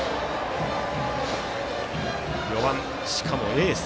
４番、しかもエース。